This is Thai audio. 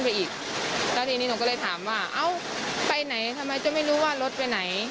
ไปไหนทำไมจะไม่รู้ว่ารถไปไหน